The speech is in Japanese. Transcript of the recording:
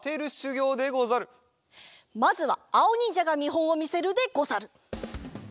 まずはあおにんじゃがみほんをみせるでござる。